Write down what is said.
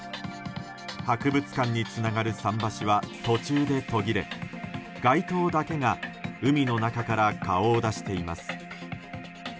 博物館につながる桟橋は途中で途切れ街灯だけが海の中から顔を出しています。